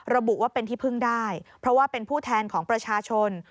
ระบุว่าเป็นที่พึ่งได้เพราะว่าเป็นผู้แทนของประชาชน